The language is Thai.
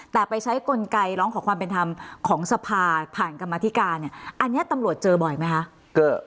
แต่ไปใช้กลไกร้องขอความเป็นธรรมของสภาผ่านกรรมธิการเนี่ยอันนี้ตำรวจเจอบ่อยไหมคะ